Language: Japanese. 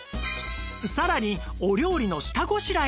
さらにお料理の下ごしらえにも